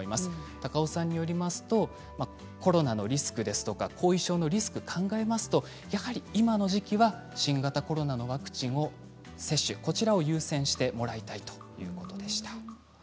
高尾さんによりますとコロナのリスク、後遺症のリスクを考えますと今の時期は新型コロナのワクチンを優先してもらいたいということでした。